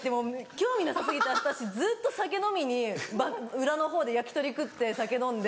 興味なさ過ぎて私ずっと酒飲みに裏のほうで焼き鳥食って酒飲んで。